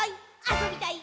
あそびたい！」